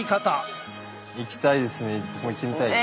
ここ行ってみたいです。